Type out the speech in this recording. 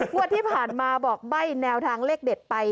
งวดที่ผ่านมาบอกใบ้แนวทางเลขเด็ดไป